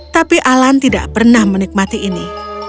tapi alan tidak pernah menikmati ini